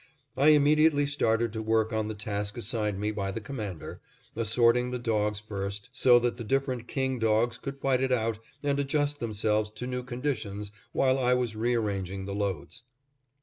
I immediately started to work on the task assigned me by the Commander, assorting the dogs first, so that the different king dogs could fight it out and adjust themselves to new conditions while I was rearranging the loads.